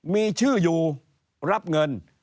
มีชื่ออยู่รับเงิน